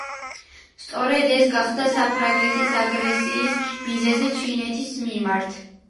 სწორედ ეს გახდა საფრანგეთის აგრესიის მიზეზი ჩინეთის მიმართ.